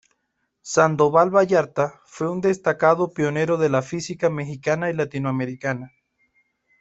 Sandoval Vallarta fue un destacado pionero de la física mexicana y latinoamericana.